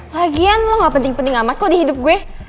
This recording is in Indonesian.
lagian lo gak penting penting amat kok di hidup gue